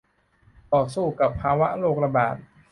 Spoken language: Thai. ต่อสู้กับภาวะโรคระบาด